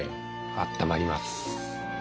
あったまります。